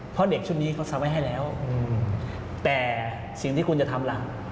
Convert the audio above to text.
เพราะเด็กชุดนี้เขาซักไว้ให้แล้วแต่สิ่งที่คุณจะทำล่ะ